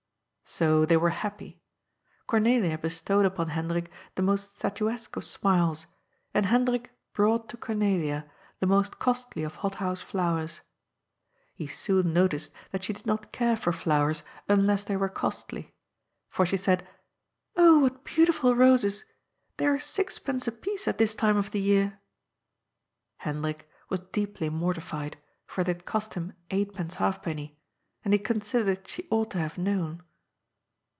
So they were happy. Cornelia bestowed upon Hendrik the most statuesque of smiles, and Hendrik brought to Cor nelia the most costly of hothouse flowers. He soon noticed that she did not care for flowers unless they were costly. For she said :^^ Oh, what beautiful roses ! They are six pence apiece at this time of the year." Hendrik was deeply mortified, for they had cost him eightpence halfpenny, and he considered she ought to have known.